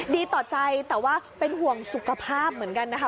ดีต่อใจแต่ว่าเป็นห่วงสุขภาพเหมือนกันนะคะ